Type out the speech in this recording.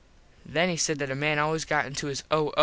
Then he said that a man always got into his O.